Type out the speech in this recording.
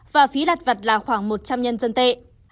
và phí đặt vặt là khoảng một trăm linh nhân dân tệ